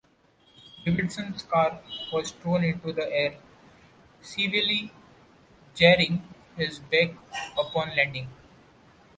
Davidson's car was thrown into the air, severely jarring his back upon landing.